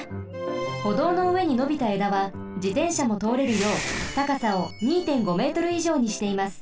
歩道のうえにのびたえだは自転車もとおれるようたかさを２．５メートルいじょうにしています。